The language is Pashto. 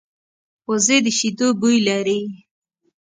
وزې د شیدو بوی لري